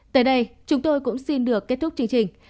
tới đây chúng tôi cũng xin được kết thúc chương trình